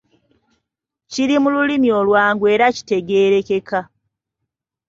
Kiri mu lulimi olwangu era kitegeerekeka.